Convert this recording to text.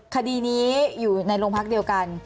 คดีนี้อยู่ในโรงพักเดียวกัน